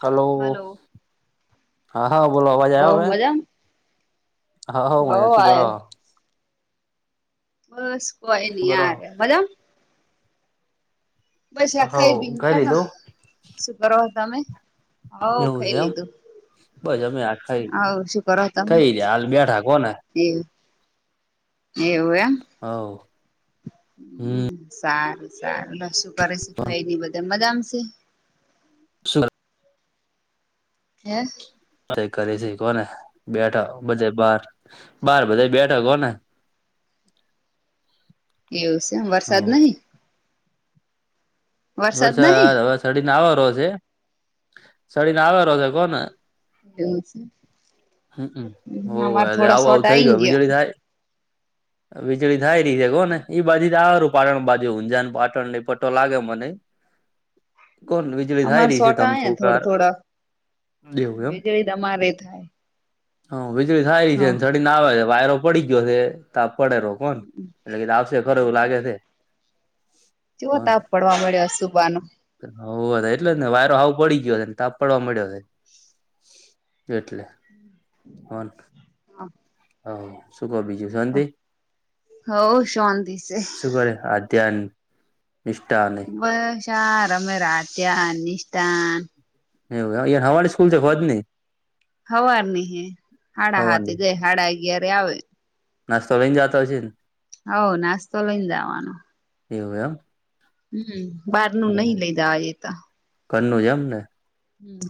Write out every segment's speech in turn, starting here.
Hello હા હા બોલો અવાજ આવ્યો હો હવે. મજામ હા હ હો માજા શું કરો. આયો. બસ કોઈ શું નહી કરો યાર મજામાં બસ હ આખાઈ ભી કઈ બેઠા લીધું શું કરો તમે. હો એવું છે ખાઈ એમ લીધું બસ અમે આ ખાઈ હોવ શું કરો તમે કઈ રહયા હાલ બેઠા કોને. એવું એવું એ હો હમ સારું સારું લો શું કરે છે ભાઈની બધે મજામશે. સરું યશ બધે કરે છે કોને બેઠા બધે બાર બાર બધે બેઠા કોને. એવું સે એમ હ વરસાદ નહીં વરસાદ આવાનો‌ છે છડીને આવરો છે છડીને આવરો છે કોને એવું છે. હ અમારે હોય થોડા આવું શોટ આવું થઈ આઈ રહ્યો વીજળી ગયા થાય. વીજળી થાય રહી છે કો ને ઈ બાજુ તો આવરું પાટણ બાજુ ઊંઝા ને પાટણ લઈ પટો લાગે મને. કોણ વીજળી થાય અમારે રહી છે સોટા ને થોડ ધમધુકાર થોડા એવું એમ વીજળી અમારે થાય. હ વીજળી થાય રહી હ છે ને સડીને આવે છે વાયરો પડી ગયો છે ત પડે રો કોન એટલે કીધ આવશે ખરો એવું લાગે છે. જોવ તાપ પડવા મળ્યો હ સુુબાનો હવ એટલે જ ને વાયરો હ પડી ગયો છે ને તાપ પડવા મળ્યો છે. એટલે હ હ શું કબી શાંતિ હવ શાંતિ સે શું કરે આજ. ત્યાન મિષાન બસાર અમે રાત્યા નિષઠાન એવું એ હવાળ હવાર નહ હે હાડા હવાની હાથે જાય હાડા અગય્યારે આવે. નાસ્તો લઈને જાતો હશે. હવ નાસ્તો લઈને જવાનો. એવું એમ હમ બહાર નું નહી લઈ જાવા દેતા. ઘરનું એમને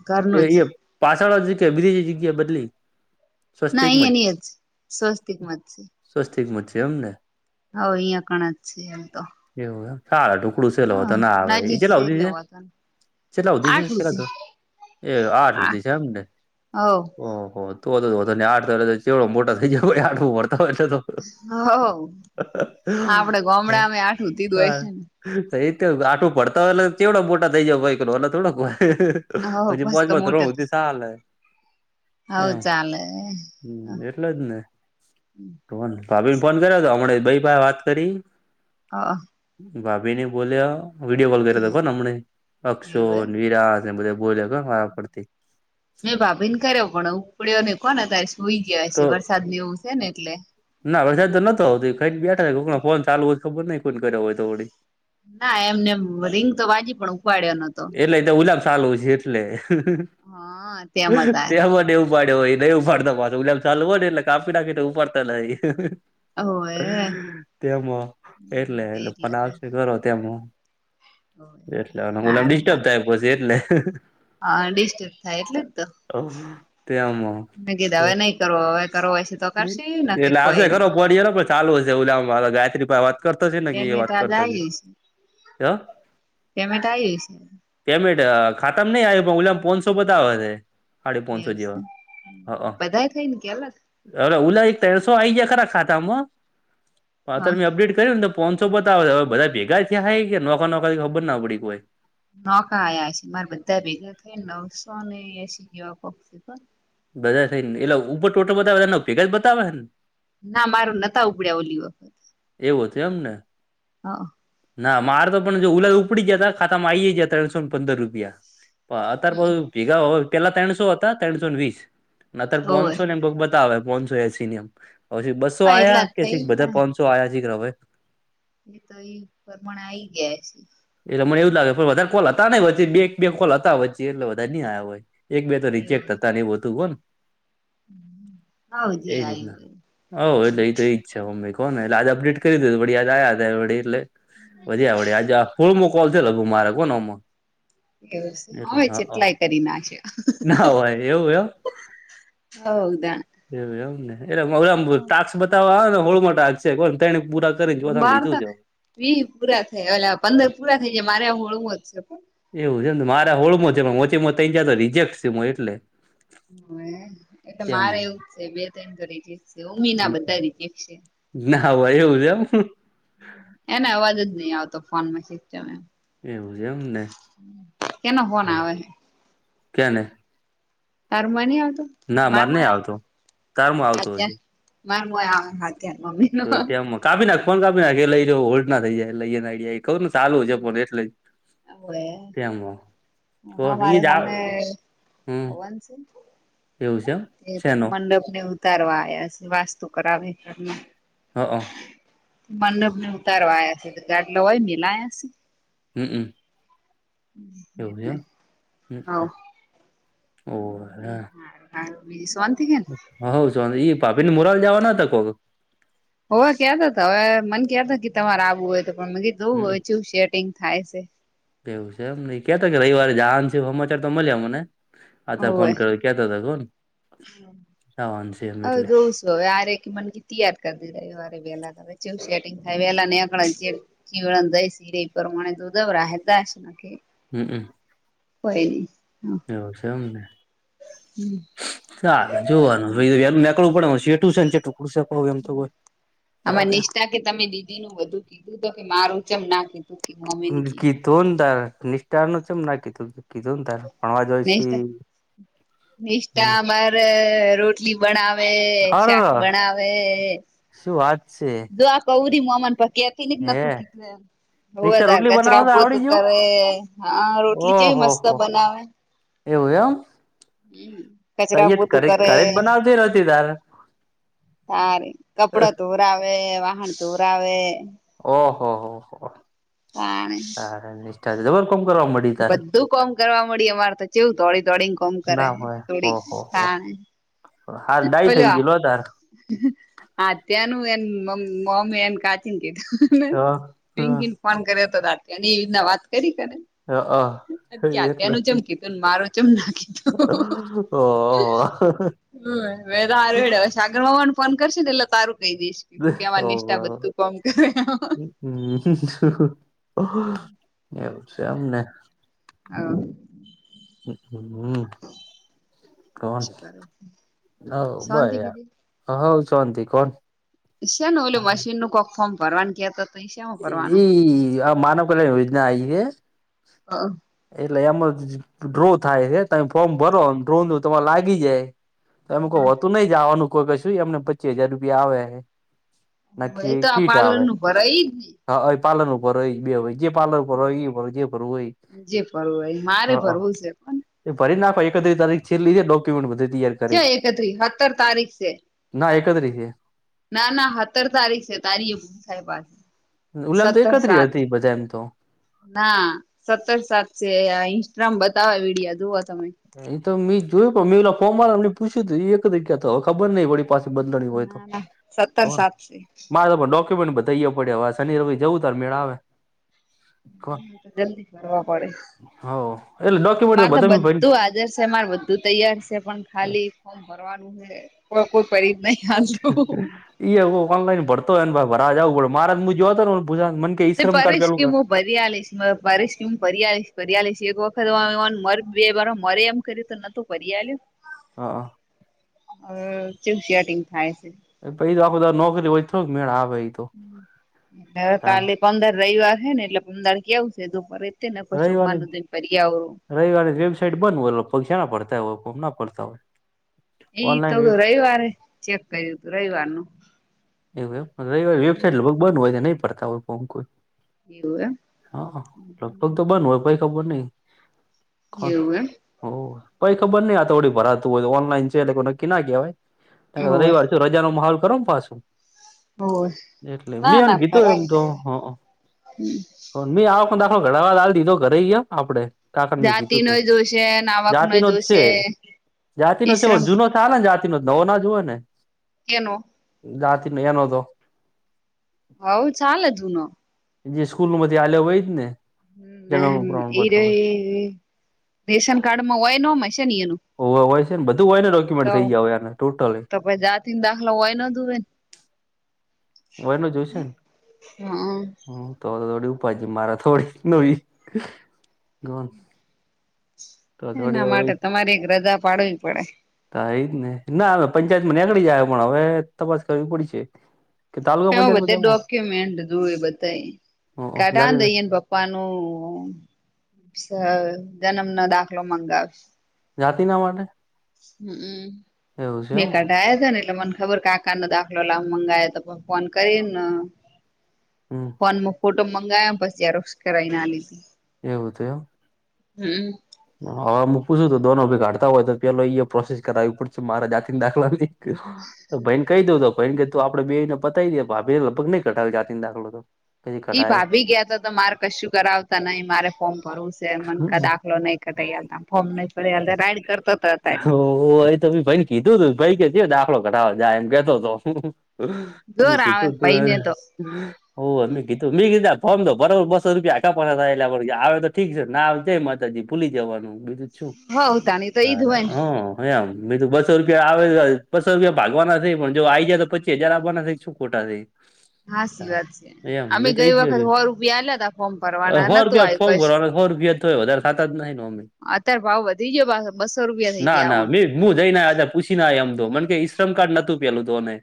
ઘરનું જ પાછળ જગ્યા બીધ જગ્યા બદલી. ના સ્વસ્તિકમાં અહીંયા ને અહીંયા જ સ્વસ્તિક મત છે. સ્વસ્તિક મત છે એમ ને હ ઓ અહિયાં કણ જ છે એમ તો એવું સા ઢુકડું સ હ લો તો ના આવે ઇ નજીક છે ચેટલા સુધી એટલે સે વાંધો છેલ્ટલા નઈ ઉધી છે આઠું છેલા હવ તો એ આઠ સુધી છે એમને હવ ઓહો તો ને આઠતો ચેવડો મોટા થઈ જાય આઠમુ ભળતા [unintelligible] હોય તો હ આપડે ગમડામાં આઠુ હુતીધું હોય સારું છે ને એ તો આઠમુ ભડતા હોય ચેવડો મોટા થઈ જ ભઈક નોનાએ થોડોક હવ હોય- હજી મસ્ત પોચમાં મોટે ધોરણ સુધી સાલ હ હવ ચાલે હમ એટલે જ ને ભાભી ને પન્દર જ [unintelligible] હમ બઈ પા વાત કરી હ. ભાભી ને બોલ્યા વિડીયો કોલ એ કર્યો તો કો ને હમને અક્ષો, એવું એમ. વિરાજ બધ બોલ્યા ગ મારા પડતી મેં ભાભી ને કર્યો પણ ઉપડ્યો ને કોને તારે સુઈ ગયા છે તો વરસાદ ની એવું છે ને એટલે ના વરસાદ તો નતો હોતી ખ બેઠ કો ફો ચાલુ હોય ખબર નઈ કોઈ ઘર હોય તો થડી ના એમનેમ રીંગ તો બાજી પણ ઉપાડ્યો ન એટલે તો ઉલાબ સાલું છે એટલે હા તેમ હતા તને દવું ઉપાડ્યો હોય નહી ઉપાડ પાછ ઉલેમ ચાલુ હોવો ને એટલે કાપી નાખી ઉપાડતા નહીં હોવે તેમાં એટલે એટલે ફલા આવશે કરો તેમાં હ. મુલામ ડિસ્ટર્બ થાયસ એટલે હા ડીસ્ટર્બ થાય એટલે જ તો તે આમ ન ગીધા હવે નહી કરવો હવે તો છે તો કરશેને કે એટલે આવશે કોઈ ખરો નહી પડીએલો પણ ચાલુ હશેવુંલ ગાયત્રી ભાઈ વાત કરતો છે ને કે એ પેમેન્ટ વાત આજ કરતો છે. આવ્યું પેમેન્ટ આ આવી જય છે પેમેન્ટ ખાતા માં નહી આવ્યું પણ ઉલા મ પોનસો બતાવ શે એવું છે બધા થાય ને કે અલગ હવે ઉલા એક તેરસો આઈ ગયા ખરા ખાતામાં હત હા મેં અપડેટ કર્યું ને પોચસો બતાવે હ બધા ભેગા થયા થાય કે નોક નોકરી ખબર ના પડી કોઈ. નોકા આયા છે મારે બધા ભેગા થઈનેવસો ને એસી એવા કોક બધા થઈ ને એટલે ઉપર ટોટલ બતાવે ભેગા જ બતાવે ને ના મારું નતા ઉપડ્યા ઓલી વક એવો હતુ એમ ને હા્ ના મારે તો પણ ઉલાદ ઉપડી જતા ખાતામાં આવી જયા ત્રણસો પંદર રૂપિયા અતાર પછ હમ ભેગા હો પેલા ત્રણસો હતા ત્રસો ન વીસ અતર હોવે પોણસો ને એમ બતા પોસો એસી ને એમછી બસો હા એટલા આયા જ કેધસો ક થઈ ગયા તો આયા જ ગ રવે એ તો એ પરમાણે આઈ ગયા છે. એટલે મને એવું લાગે પણ વધારે કોલ હતા નચી બે બે કોલ હતા હોચ એટલે વધારે નહિ આય હોય એક બે તો રિજેક્ટ એવું હતા ને એવું હતું કોન હવ જે એ આયુ રીતના એવું હ એટલે એ તો એ ઈચ્છા મમ્બ કો ને એટલે આ અપેટ કરી દીધું વડી આજ આયા હતા એટલે વધ્યા વડ્યા આજે આ સોળ મો કોલ થ લગભખ મારે હોનેમાં એવું શું હોય છેટલાય કરી નાખે ના હોય એવું એમ હવ દા એવું એમ ને એમ ટાક્ષ બતાવવા આવે ને હોળુમાં ટાક છે કો [unintelligible] પૂરા કરીને ચોથામાં માર લીધું તો છે વી પૂરા થઈ એટલે પંદર પૂરા થઈ જાય મારે હોળું જ છે. એવું છેમ મારા હોળમાં છે ઓચી ત જ રિજેક્ટ છે એટલે હ એટલે મારે ત્યાંમાં એવું છે બે તો એ કરી છે. સમીના બધા રિજેક્ટ છે. ના હોય એવું છે એમ એને અવાજ જ નહી આવતો ફોન માં સિસ્ટમ એમ એવું છે એમ ને કેનો ફોન આવે છે. કેને તારમાં નઈ આવતો ના મારે નહિ મારમાંય આવતો આવે તારમાં આવતો અત્યાર હશે [inaudible] [unintelligible] તો ત કાપી નાખ ફો કાપી નાખે લઈ હોલ્ટ ના થઈ જાય લઈએ ને કઉને ચાલુ છે પણ એટલે તેમ હ મારે અમે હમ હન છે. એવું છે. તે અત્યારે શેનો મંડપ ને ઉતારવા આવ્યા છે વાસ્તુ કરાવે હ હ. મંડપ ને ઉતારવા આવયા છે ગાટલે હોય મેલાયા છે. હમ હમ. એટલે એવજ્યો હવ હોરા હા બીકિ સોનતિ હેને હવ ચંદ પ ભપી ને મોરાલ જવાને ત કોક હોવે કયાતા હવે મને કયા ત કે તમારે આવું હોય તો પણ મીવું હમમ હોયવું શેટિંગ થાય છે. એવું છે એમ નઈ કેતો કે રવવારે જ છે સમાચાર તો મળ્યા મને અ ત ફોન હોવે કર કેતા હતા કોન આવાન છે એમ હ એટલે જોઉં હવે આરે મને તૈયાર કરી દીધરે વેલા હ સેટંગ થાય વહેલા નેકડાય જીવણન દઈ સિરે પ્રમાણે તો દબરા હતાશ ના કે હમ હમ. હો નહી. એવું છે એમને ચલે જોવાનું નેકળું પડે શ ટયુશન છેડુ [unintelligible] આમાં નિષ્ઠા કે તમે દીદી ન બધું કીધું તો કે મારુંચમ ના કીધું. [unintelligible] કીધું તાર નિષ્ઠા ન છે એમ ના કીધું કીધું ને તાર ભણવા જોય છે. [unintelligible] નિષઠા મારે રોટલી બનાવે અર શાક બનાવેે શું વાત છે. જો આ કૌરી મામને કેતિ હે નતું કીધુંમ હ રિસ્ટા વધાર રોટલી બનાવતા કચરા બ તો આવડી તું ગયું કરે હા રોટલી જેવી ઓહો મસ્ત હો બનાવે એવું એમ હમ. તહી કચરા જ પોતું કરરે જ બનાવતી રસીદાર સારી કપડો ધોરાઆવે વાહન ધોરાઆવે ઓહો હોહ તાણે સાર નિષ્ઠા છે જબર કોમ કરવા મળી તાર બધું કોમ કરવા મળી અમારે તો કેવું દોડી દોડી ને કોમ કરે ના હોય ઓહો હો થોડીણે હાર ડાય થઈ ગઇ લો તાર અત્યાનું એ મમી એમ કાચીન કીધું હ પિંકીને ફોન કર્યો હતો ત એ રીતના વાત કરી ને હ હ ક્યાં ત્યાંનું ચમકી કિધુ મારો ચમ નાખી ઓ ઓ ઓ છગર હોવાનું ફોન કરશે ને એટલે તારું કહી દઈશ કે તું કેવા નિષ્ઠા બધું કોમ કરે. હ એવું છે એમને. હ. હમ કોણ શું કરે હ બ શાંતિ યાર. બીજું હવ સંતી કોણ. છે ને ઓલું મશીન નું ઓલું ફોર્મ ભરવાનું કેતુ તુ. એ આ માનવ કલ્યાણ યોજના આઇ હોય. એટલે એમાં ડ્રો થાય છે તમે ફોર્મ ભરો ડ્રો ન તમારે લાગી જાય. તો એમ કોઈ હોતું નહી જવાનું કોઈ કશું એમને પચી હજાર રૂપિયા આવે. ભાઈ નાખી તો આ કીટ પાલન આવે. નું ભરાય એજ ને. હા પાલન ઉપર હોય બે હો. જે પાર્લર પર હોય એ ભર જે ભરવું હોય જે ભરવું હોય મારે હ. ભરવું છે પણ એ ફરી નાખ એકત્રી તારીખલ્ છેલ્લી હૈ ડોક્યુમેન્ટ બધ તૈયાર. કરી ચ્યા એકત્રીસ સત્તર તારીખ છે. ના એકત્રી હે. ના ના સત્તર તારીખ છે તારી સાહે પાસે. ઉલામ તો એકત્રી હતી બધા એમ તો. ના સત્તર સાત છે ઇન્સ્ટ્રા બતાવે વિડિયા જોવ તમે. એ તો મેં જોયું પણ મેં એલા ફોમ માર એમને પૂછ્યું તું એ એક જગ્યા તો હવે ખબર નઈ પડી. પાસે બદલાણી હોય તો ના ના કો સત્તર સાત છે મારે ડોક બધાવ પડે હ શનિ રવી જવું તાર મેળ આવે. કો જલ્દી ભરવા પડે હ એટલે ડોક્યુમેન્ટ મારે તો બધા બધું હાજર છે મામારે બધું તૈયાર છે પણ ખાલી ફોર્મ ભરવાનું છે ફોર્મ કોઈ ભરી જ નઈ આલતું. એવ ઓનલાઈન ભરતોયને ભાઈ ભરાજ આવું પડ મારા હું જોતો હતો મ તે પરેશ કેમું પિયાલીસ પસ કે પિયાલીસ પયાલીસ એક વખત મ બે મા મરે એમ કર્યું તો ન તો ભરી આલ્યું. હ. અ ચચિયા ટિંગ થાઈ છે. એ પછી તો આખો દાડો નોકરી હોય તો થોડો મેણ આવે તો. હવે તાણ કાલે પંદર રવિવાર છે ને એટલે પંદર કેવું છેધું રવિવારની ફરી. [unintelligible] રવિવારે વેબસાઇટ બન હોય પગા ના પડતા ફોર્મ ના પડતા હોય. એ તો ઓનલાઈન વેબ રવિવારે ચેક કર્યું હતું રવિવારનું. એવું એમ રવિવારે વેબાઈટ લગભગ બંધ હોય છે નઈ ભરતા હોય ફોર્મ કોઈ. એવું એમ હા લગભગ તો બંધ હોય પઈ ખબર નઈ. એવું એમ ભાઈ ખબર નહ આ થોડી ભરાતું હોય ઓનલાઈન છે નકી ના કહેવાય. રવિ હોવે. વાર છે રજા નો માહોલ કરો ને પાછું. હોસ. એટલે મેં એન કીધું એમ તો હ. આખ દાખો ઘડાવા દાલ દીધો ઘરે આપે. કાકાણ મેં જાતિ કીધું હત નો જોશે નાવક જાતિ નો ન જ છે જોશે જાતિ ન છે ઈશ્રમ જૂનો ચાર ને જાતિ ન નવો ના જ જો હોય ને કેનો? જાતિનું એનો તો. હવ ચાલે જૂનો. જે સ્કૂલમાં થી અલ્યો હોય એજ ને. જન્મનું હ એ ર પ્રમાણપત્ર હોય રેશન કાર્ડમાં હોય નમ છે ને એનું. ઓ હોય છે ને બધું હોય ડૉક્યુમેન્ટ થઈ જાયને ટોટલી. ત જાતિ ને દાખલા હોય ન દ હોવેને વય ન જોઈશે ને હમ હ તોડી ભાજી મારાા થોડી નવી ગૌન એના માટે તમારે એક રજા પાડવી પડે તો એ જ ને ના હ પંચાયત માં નીકળી જાય પણ હવે તપાસ કરવી પડ છે કે તાલુકા એ પંચાયતમાં બધે જવું ડોક્યુમેન્ટ હત એ બતા હ જાતિ કાઢા દઈને પપ્પા પનું જન્મનો દાખલો મંગાવ જાતિ ના માટે હમ હમ એવું બ છે એમ યા હતા ને એટલે મને ખબર કેાકાનોો દાખલો લાબ મંગાય તો ફોન કરીને હમ ફ ફોટો મંગાવયા પછીયાર કરાવી ના લીધી એવું તોવ હમ હવે હું પૂછું ત દોનો ભી ઘાડતા હોય તો પેલો પ્રોસેસ કરાવવી પડશે મારા જાતિની દાખલા તો ભન કઈ દઉ તો ભન કે ત આપડ બેને પતાવી દ ભા ભ લગભગ નઈ કટાવે જાતીને દાખલો તો પછી ઈ કઢાયો ભાવી ગયા ત તો મારે કશું કરાવતા નહી મારે ફોર્મ ભરવું છે મને દાખલો નઈ ક ફોર્મ ન રાઈડ કરતાાય ઓ એ તો ભી ભાઈને કીધું તું ભાઈ કેતી દાખલો ઘટાડો જાય એમ કેતો હતો મે જોર આવે કીતોું ભઈને હતુંાર તો ઓ ગીધું મી ફોમ તો બરાબર બસો રૂપિયા ક પૈસાાયલા આવે તો ઠીક છે ના જ જ ભૂલી જવાનું બીજું જ શું હ તાણી તો ઈજ હોય ને હા હ હમ તો બસો રૂપિયા આવે બસો રૂપિયા ભાગવાના થઈ પણ જો આઈ જાય તો પચી હજાર આવવાના થ શું ખોટા થાય [inaudible] હા સી વાત છે અમે તો ગઈ એજ વખત કર્યું હો રૂપિયા આ્યા ત ફોર્મ ભરવાના નતું આવ્યું કશી ય વધારે થતા જ નહી અમે અત્યારે ભાવ વધી ગયો બસો રૂપિયા થઈ ના ગયા ઓણ ના હું જઈ ના આા પૂછી ના એમ તો મને કે ઈશ્રમ કાર્ડ નતું પેલું તોને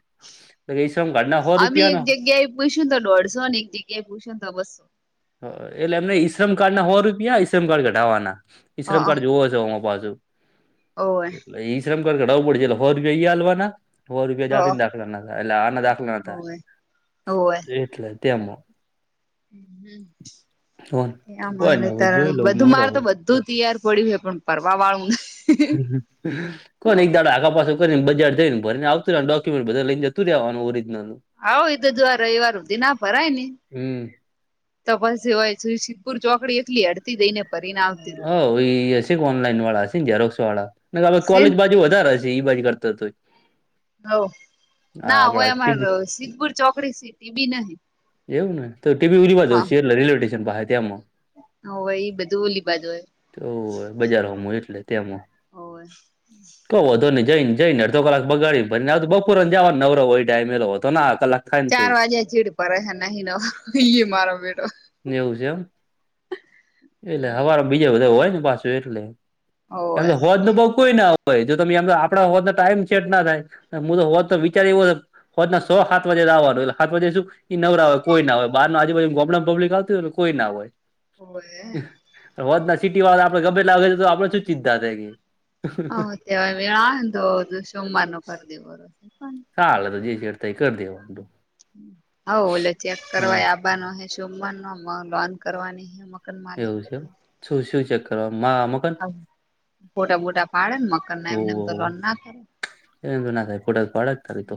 ઈ શ્રમ કાર્ડ ના સો અમે એક રૂપિયા જગ્યાએ પૂછ્યું તો દોઢસો ને એક જગ્યાએ પૂછ્યું તો બસો એટલે એમને ઈશ્રમ કાર્ડ ના હોવા રૂપિયા ઈશ્રમ કાર્ડ ઘઢાવાના હ ઈશ્રમ કાર્ડ જોુો હ છો અ પાછું ઓવે એટલે ઈ શ્રમ કર ઘઢાવવું પડે એટલે ફર જોઈ હાલવાના હો હ રૂપિયા જાતી દાખલા ના એટલે આના દાખલા ના ઓવે થાય એટલે તેમમાં એ તો કોઈ નઈ મારે ત હવે જોઈ લઉં બધું મોડો માર તો હોય બું તો તૈયાર પડી્યું હોય પણ ફવા વાળું હ કોણ એક દાડા આખા પાસે કરીને બજાર જઈને ને આવતું ડોકુમેન્ટ બધ લઈને જતુંેવાનું ઓરજનલ આવ એ તો જો રવિવાર સુધી ના ફરાય ને હમ તપાસ હોય સુ સપુર ચોકડી એકલી હડતી દઈને ભરીને આવતી હ રહું એ હશે કે ઓનલાઈન વાળા હશે ને ઝરોક્સ વાળા સેન કોલેજ બાજુ વધારે હશે બાજ કરતો હતો હ ના હોય આપડા અમારે ટીબી સિદ્ધપુર ચોકડી સીટી બી નહ એવું ને તો ટીવીી ઉરીવા જઉ છ એટલે રેલવે સ્ટેશન પાસે ત્યામાં હ હોય એ બધું ઓલી બાજ હોય તોવું હોય બજારમાં એટલે તે્યામાં હોવે કો ને જઈને જઈનેડધો કલાકગાડી ભને તો બપોર ને જવા નવરો હો એ ટાઈમે એલો હતો કલાક થાય ને ચાર તોય વાગે ચીડ પરડ નહી ન મારો બેઠો એવું છે એમ એટલે હવાર બીજા બધા હોય ને પાછું એટલે એમ હોવે તો હોદ ન પગ કોઈ ના આવ ભ જો તમે આમ આપણા હોવાતને ટાઈમ સેટ ના થાય હ તો હોત તો વિચાર એવો. હોજના સો સાત વાજે આવવાનુંલે સાત વાજે શું? ઈ નવરા હોય કોઈ ના હોય બારો આજુ હ ગબ્મ પબ્િક આવતી હોયને કોઈ ના હોય. હો. વત ના ચીટી વાળા આપડે ગમેેલા તો આપડે શું ચિંતા થાય કે. હ તેવાયળાું સોમવાારનું પરદી હો. કાલે જે. તેં કરી દવો. હ ઓલે ચેક હા કરવા આપ. હ ન લોન કરવાની હ. એવું છેમ શું શું ચેક કરવા અમક. હ ફોટા મોટા પાડે ને મકર ના એમને એમ તો રન ના કરે. એ ના થાય ફોટ બાળક ત તો.